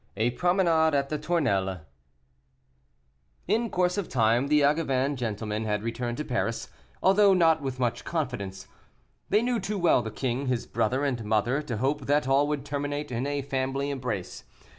A PROMENADE AT THE TOURNELLES. In course of time the Angevin gentlemen had returned to Paris, although not with much confidence. They knew too well the king, his brother, and mother, to hope that all would terminate in a family embrace.